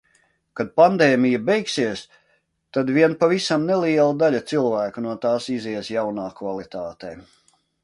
Kad pandēmija beigsies, tad vien pavisam neliela daļa cilvēku no tās izies jaunā kvalitātē.